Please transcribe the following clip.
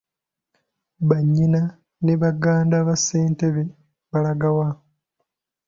Bannyina ne baganda ba ssentebe balaga wa?